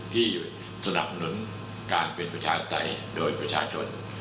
ที่สนับสนุนการเป็นประชาธิปไตยโดยประชาชน